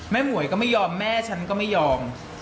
หมวยก็ไม่ยอมแม่ฉันก็ไม่ยอม